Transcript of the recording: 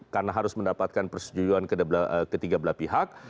karena harus mendapatkan persetujuan ketiga belah pihak